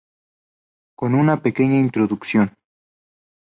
Con una pequeña introducción.